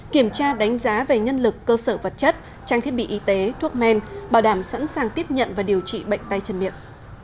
kiểm tra đánh giá về nhân lực cơ sở vật chất trang thiết bị y tế thuốc men bảo đảm sẵn sàng tiếp nhận và điều trị bệnh tay chân miệng